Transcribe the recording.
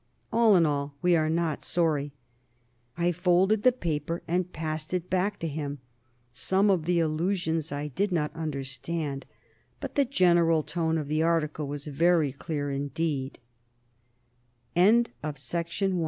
All in all, we are not sorry. I folded the paper and passed it back to him; some of the allusions I did not understand, but the general tone of the article was very clear indeed. "You see?"